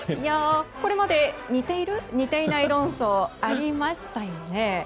これまで似てる似てない論争がありましたよね。